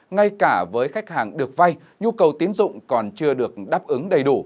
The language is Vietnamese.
ngay cả với khách hàng được vay nhu cầu tiến dụng còn chưa được đáp ứng đầy đủ